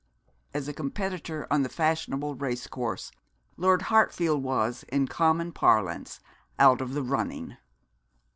As a competitor on the fashionable race course, Lord Hartfield was, in common parlance, out of the running.